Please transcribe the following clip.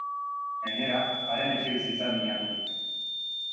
Gainera, haren etxebizitza miatu dute.